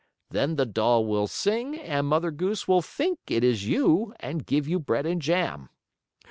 Then the doll will sing and Mother Goose will think it is you, and give you bread and jam."